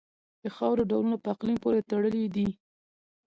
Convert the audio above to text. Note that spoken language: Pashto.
د خاورې ډولونه په اقلیم پورې تړلي دي.